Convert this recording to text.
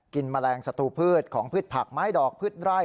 แมลงศัตรูพืชของพืชผักไม้ดอกพืชไร่